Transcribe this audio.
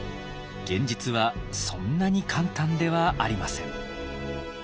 現実はそんなに簡単ではありません。